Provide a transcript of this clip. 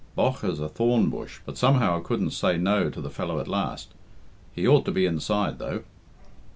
Bough as a thorn bush, but somehow I couldn't say no to the fellow at last. He ought to be inside, though."